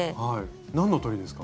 何の鳥ですか？